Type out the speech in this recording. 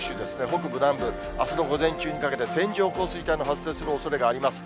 北部、南部、あすの午前中にかけて、線状降水帯の発生するおそれがあります。